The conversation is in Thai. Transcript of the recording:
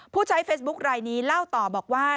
ผู้ใช้เฟซบุ๊คลายนี้เล่าต่อบอกว่า